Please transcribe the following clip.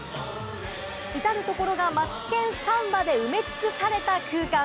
至る所がマツケンサンバで埋め尽くされた空間。